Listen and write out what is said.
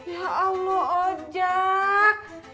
ya allah ojak